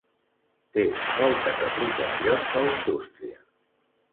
Té moltes aplicacions a la indústria.